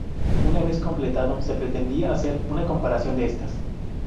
Una vez completado, se pretendía hacer una comparación de estas.